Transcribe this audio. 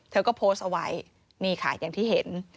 เธอก็โพสต์เอาไว้นี่ค่ะอย่างที่เห็น